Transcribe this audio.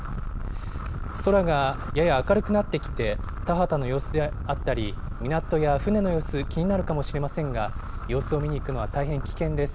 空がやや明るくなってきて、田畑の様子であったり、港や船の様子、気になるかもしれませんが、様子を見に行くのは大変危険です。